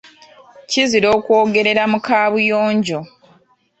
Kizira okwogerera mu kaabuyonjo.